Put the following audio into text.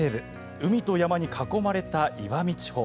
海と山に囲まれた石見地方。